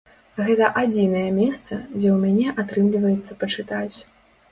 Гэта адзінае месца, дзе ў мяне атрымліваецца пачытаць.